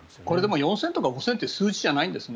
４０００とか５０００という数字じゃないんですね。